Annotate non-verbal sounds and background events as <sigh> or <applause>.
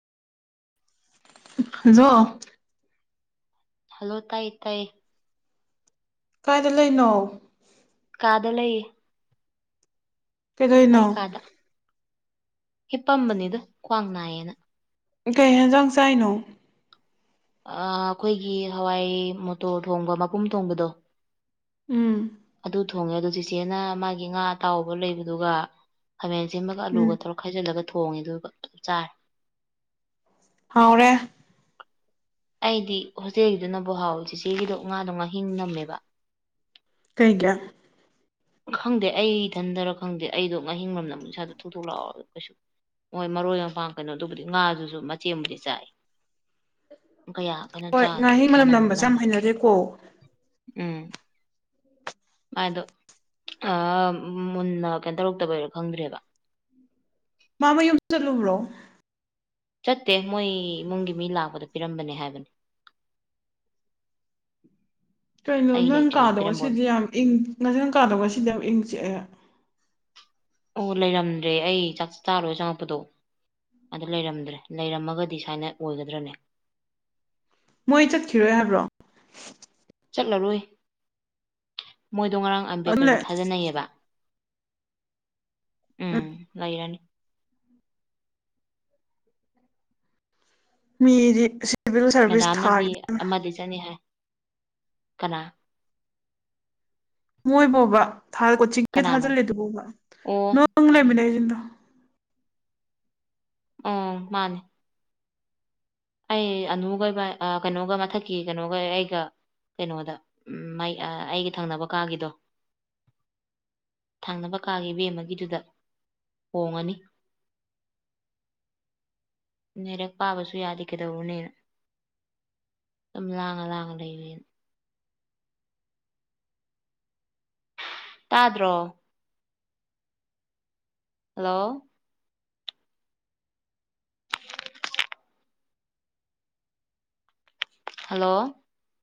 Hello hello ꯇꯥꯏ ꯇꯥꯏꯌꯦ ꯀꯥꯏꯗ ꯂꯩꯅꯣ ꯀꯥꯗ ꯂꯩꯌ‌ꯦ ꯀꯩꯗꯧꯔꯤꯅꯣ ꯑꯩ ꯀꯥꯗ ꯍꯤꯞꯄꯝꯕꯅꯤꯗ ꯈ꯭ꯋꯥꯡ ꯅꯥꯏꯌꯦꯅ ꯀꯩ ꯌꯦꯟꯖꯥꯡ ꯆꯥꯏꯅꯣ ꯑꯥ ꯑꯩꯈꯣꯏꯒꯤ ꯍꯋꯥꯏ ꯃꯣꯇꯣꯔ ꯊꯣꯡꯕ ꯃꯄꯨꯝ ꯊꯣꯡꯕꯗꯣ ꯎꯝ ꯑꯗꯨ ꯊꯣꯡꯉꯦ ꯑꯗꯨ ꯆꯤꯆꯦꯅ ꯃꯥꯒꯤ ꯉꯥ ꯑꯇꯥꯎꯕ ꯂꯩꯕꯗꯨꯒ ꯈꯥꯃꯦꯟ ꯑꯁꯤꯟꯕꯒ ꯎꯝ ꯑꯂꯨꯒ ꯇꯧꯔ ꯈꯥꯏꯖꯤꯜꯂꯒ ꯊꯣꯡꯉꯦ ꯑꯗꯨꯒ ꯆꯥꯔꯦ ꯍꯥꯎꯔꯦ ꯑꯩꯗꯤ ꯍꯣꯁꯇꯦꯜꯒꯤꯗꯨꯅꯕꯨ ꯍꯥꯎꯋ‌ꯦ ꯆꯤꯆꯦꯒꯤꯗꯣ ꯉꯥꯗꯣ ꯉꯥꯍꯤꯡ ꯅꯝꯃꯦꯕ ꯀꯩꯒꯤ ꯈꯪꯗꯦ ꯑꯩ ꯏꯊꯟꯇꯔ ꯈꯪꯗꯦ ꯑꯩꯗꯣ ꯉꯍꯤꯡ ꯃꯅꯝ ꯅꯝꯕꯩ ꯏꯁꯥꯗꯣ ꯊꯨꯛ ꯊꯨꯛ ꯂꯥꯎꯔ ꯀꯩꯁꯨ ꯃ‌ꯣꯏ ꯃꯔꯣꯏ ꯃꯄꯥꯡ ꯀꯩꯅꯣ ꯗꯨꯕꯨꯗꯤ ꯉꯥꯗꯨꯁꯨ ꯃꯆꯦꯠ ꯑꯃꯕꯨꯗꯤ ꯆꯥꯏ ꯀꯌꯥ ꯀꯩꯅꯣ ꯍꯣꯏ ꯆꯥꯗ꯭ꯔꯦ ꯉꯥꯍꯤꯡ ꯃꯅꯝ ꯅꯝꯕꯁꯦ ꯌꯥꯝ ꯅꯝꯕꯗꯣ ꯍꯩꯅꯗ‌ꯦꯀꯣ ꯎꯝ ꯃꯥꯏꯗꯣ ꯑꯥ ꯃꯨꯟꯅ ꯀꯩꯅꯣ ꯇꯧꯔꯛꯇꯕꯩꯔ ꯈꯪꯗ꯭ꯔꯦꯕ ꯃꯥ ꯃꯌꯨꯝ ꯆꯠꯂꯨꯕ꯭ꯔꯣ ꯆꯠꯇꯦ ꯃꯣꯏ ꯏꯃꯨꯡꯒꯤ ꯃꯤ ꯂꯥꯛꯄꯗ ꯄꯤꯔꯝꯕꯅꯦ ꯍꯥꯏꯕꯅꯤ <unintelligible> <inaudible> ꯀꯩꯅꯣ ꯑꯩ ꯅꯪ ꯂꯩꯇ꯭ꯔꯤꯉꯩ ꯀꯥꯗꯣ ꯄꯤꯔꯝꯕ ꯉꯁꯤꯗꯤ ꯑꯣꯏ- ꯌꯥꯝ ꯏꯪ ꯅꯪ ꯀꯥꯗꯣ ꯉꯁꯤꯗꯤ ꯌꯥꯝ ꯏꯪ ꯆꯤꯛꯑꯦ ꯑꯣ ꯂꯩꯔꯝꯗ꯭ꯔꯦ ꯑꯩ ꯆꯥꯛ ꯆꯥ ꯂ‌ꯣꯏꯔ ꯆꯪꯉꯛꯄꯗꯣ ꯑꯗꯥ ꯂꯩꯔꯝꯗ꯭ꯔꯦ ꯂꯩꯔꯝꯃꯒꯗꯤ ꯁꯨꯃꯥꯏꯅ ꯑꯣꯏꯒꯗ꯭ꯔꯅꯦ ꯃꯣꯏ ꯆꯠꯈꯤꯔꯣꯏ ꯍꯥꯏꯕ꯭ꯔꯣ ꯆꯠꯂꯔꯣꯏ ꯃꯣꯏꯗꯣ ꯉꯔꯥꯡ ꯑꯗꯨꯝ ꯑꯝꯕꯦꯗꯀꯔꯒꯤ ꯂꯩ ꯊꯥꯖꯤꯟꯅꯩꯌꯦꯕ ꯎꯝ ꯂꯩꯔꯅꯤ꯫ ꯃꯤꯗꯤ ꯑꯁꯤ ꯀꯥꯅꯥꯝꯅꯗꯤ ꯑꯃꯗꯤ ꯆꯪꯅꯤ ꯍꯥꯏ ꯀꯅꯥ꯫ ꯃꯣꯏꯕꯣꯕ ꯊꯗ ꯀꯣꯆꯤꯡꯒꯤ ꯀꯅꯥꯅꯣ ꯊꯥꯖꯤꯜꯂꯤꯗꯨꯕ ꯑꯣ ꯅꯪ ꯂꯩꯃꯤꯟꯅꯩꯁꯤꯡꯗꯣ꯫ ꯑꯣ ꯃꯥꯅꯦ꯫ ꯑꯩ ꯑꯅꯨꯒ ꯏꯕꯅꯤ ꯑꯥ ꯀꯩꯅꯣꯒ ꯃꯊꯛꯀꯤ ꯀꯩꯅꯣꯒ ꯑꯩꯒ ꯀꯩꯅꯣꯗ ꯎꯝ ꯑꯥ ꯑꯩꯒꯤ ꯊꯪꯅꯕ ꯀꯥꯒꯤꯗꯣ꯫ ꯊꯥꯡꯅꯕ ꯀꯥꯒꯤ ꯕꯦꯝꯃꯒꯤꯗꯨꯗ ꯍꯣꯡꯉꯅꯤ꯫ ꯂꯥꯏꯔꯤꯛ ꯄꯥꯕꯁꯨ ꯌꯥꯗꯦ ꯀꯩꯗꯧꯔꯨꯅꯤ ꯑꯗꯨꯝ ꯂꯥꯡꯉ ꯂꯥꯡꯉ ꯂꯩꯕꯅꯤꯅ꯫ ꯇꯥꯗ꯭ꯔꯣ꯫ ꯍꯜꯂꯣ꯫ ꯍꯜꯂꯣ꯫